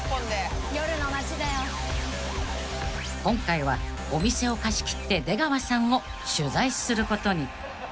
［今回はお店を貸し切って出川さんを取材することに］